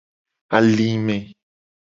Alime.